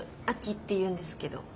亜紀っていうんですけど。